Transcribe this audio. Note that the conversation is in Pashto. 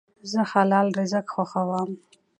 زه حلال رزق خوښوم.